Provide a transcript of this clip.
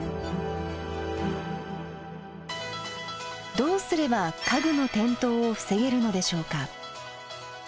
どうすれば家具の転倒を防げるのでしょうか。